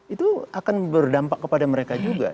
itu akan berdampak kepada mereka juga